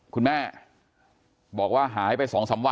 กลุ่มตัวเชียงใหม่